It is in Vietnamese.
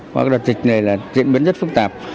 qua đợt dịch này diễn biến rất phức tạp